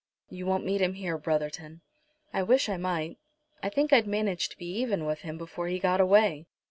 "You won't meet him here, Brotherton." "I wish I might. I think I'd manage to be even with him before he got away.